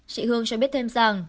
chị hương cho biết thêm rằng